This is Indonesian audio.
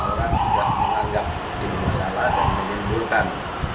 orang sudah menganggap ini masalah dan menimbulkan